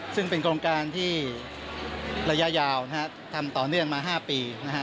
ซึ่งเป็นโครงการที่ระยะยาวทำต่อเนื่องมา๕ปี